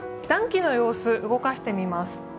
暖気の様子、動かしてみます。